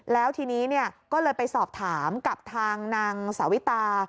แล้วทีนี้ก็เลยไปสอบถามกับทางนางสาวิตา